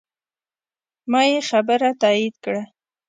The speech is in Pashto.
ما یې خبره تایید کړه.